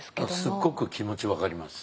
すっごく気持ち分かります。